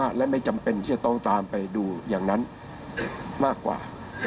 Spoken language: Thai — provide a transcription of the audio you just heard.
ตามไปดูอย่างนั้นมากกว่า